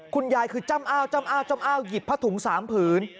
คุณยายคือจ้ำอ้าวหยิบผัดถุงสามผืน